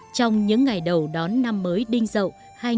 trong những ngày đầu đón năm mới đinh dậu hai nghìn một mươi bảy